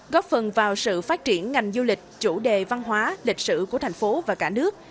góp phần vào sự phát triển ngành du lịch chủ đề văn hóa lịch sử của thành phố và cả nước